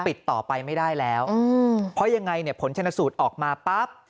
ติดต่อไปไม่ได้แล้วเพราะยังไงเนี่ยผลชนสูตรออกมาปั๊บ